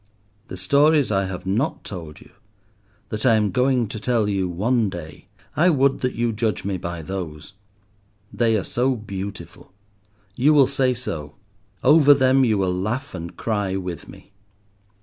The stories I have not told you, that I am going to tell you one day, I would that you judge me by those. They are so beautiful; you will say so; over them, you will laugh and cry with me.